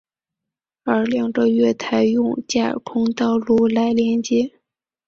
而两个月台用架空道路来连接。